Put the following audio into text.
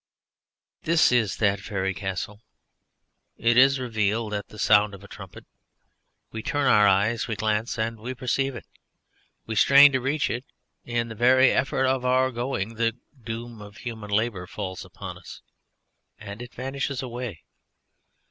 This is that Faëry Castle. It is revealed at the sound of a trumpet; we turn our eyes, we glance and we perceive it; we strain to reach it in the very effort of our going the doom of human labour falls upon us and it vanishes away.